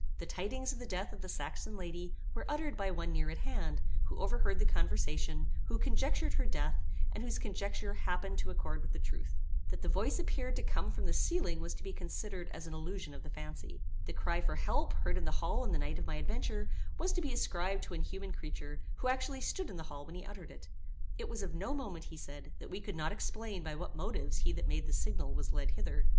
The tidings of the death of the Saxon lady were uttered by one near at hand, who overheard the conversation, who conjectured her death, and whose conjecture happened to accord with the truth. That the voice appeared to come from the cieling was to be considered as an illusion of the fancy. The cry for help, heard in the hall on the night of my adventure, was to be ascribed to an human creature, who actually stood in the hall when he uttered it. It was of no moment, he said, that we could not explain by what motives he that made the signal was led hither.